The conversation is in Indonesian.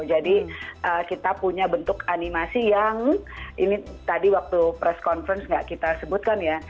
jadi kita punya bentuk animasi yang ini tadi waktu press conference nggak kita sebutkan ya